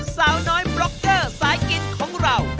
สาวน้อยบล็อกเดอร์สายกินของเรา